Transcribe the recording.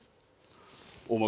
お前